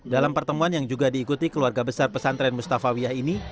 dalam pertemuan yang juga diikuti keluarga besar pesantren mustafa wiyah ini